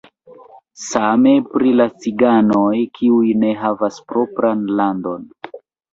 Same pri la ciganoj, kiuj ne havas propran landon.